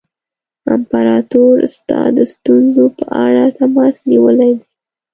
امپراطور ستا د ستونزو په اړه تماس نیولی دی.